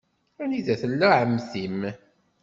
Anida tella ɛemmti-m?